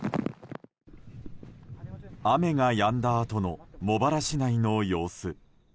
雨がやんだあとの茂原市内の様子。